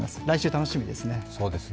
来週楽しみですね。